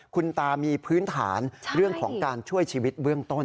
คุณตามีพื้นฐานเรื่องของการช่วยชีวิตเบื้องต้น